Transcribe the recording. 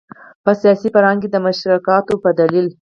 په سیاسي فرهنګ کې د مشترکاتو په دلیل.